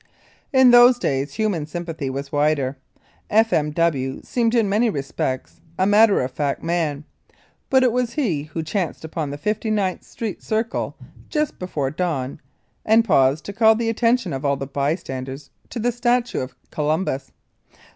In those days human sympathy was wider. F. M. W. seemed in many respects a matter of fact man, but it was he who chanced upon the 59th street Circle just before dawn and paused to call the attention of all bystanders to the statue of Columbus.